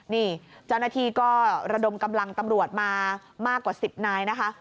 นี่เจ้าหน้าที่ก็ระดมกำลังตำรวจมามากกว่า๑๐นายนะคะ